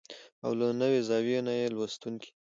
او له نوې زاويې نه يې لوستونکي